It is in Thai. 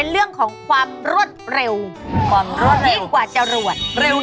เร็วที่ใหม่